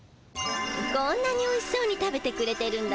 こんなにおいしそうに食べてくれてるんだもん。